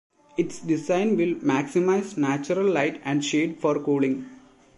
Its design will maximize natural light and shade for cooling.